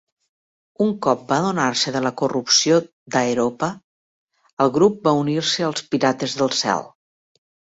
Un cop van adonar-se de la corrupció d'Aeropa, el grup va unir-se als Pirates del cel.